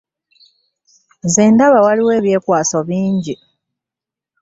Nze ndaba waliwo ebyekwaso bingi.